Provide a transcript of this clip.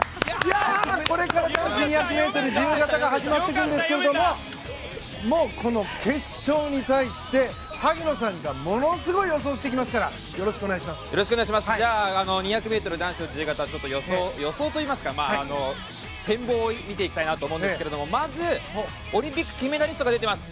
これから男子２００ｍ自由形が始まっていくんですけどこの決勝に対して萩野さんがものすごい予想をしてきますから２００ｍ男子自由形の予想といいますか展望を見ていきたいなと思うんですけれどもまずオリンピック金メダリストが出ています。